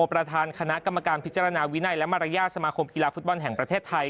ประธานคณะกรรมการพิจารณาวินัยและมารยาทสมาคมกีฬาฟุตบอลแห่งประเทศไทย